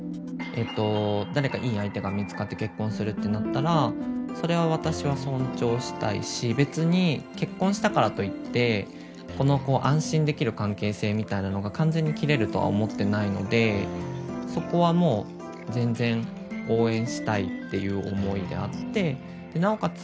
誰かいい相手が見つかって結婚するってなったらそれは私は尊重したいし別に結婚したからといってこの安心できる関係性みたいなのが完全に切れるとは思ってないのでそこはもう全然応援したいっていう思いであってなおかつ